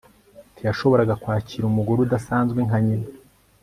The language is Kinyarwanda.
Ntiyashoboraga kwakira umugore udasanzwe nka nyina